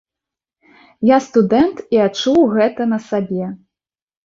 Я студэнт і адчуў гэта на сабе.